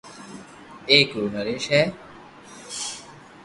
ايڪ رو نريݾ ھي